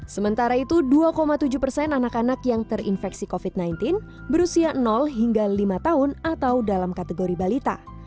sementara itu dua tujuh persen anak anak yang terinfeksi covid sembilan belas berusia hingga lima tahun atau dalam kategori balita